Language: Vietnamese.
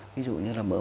ví dụ như là mỡ mỡ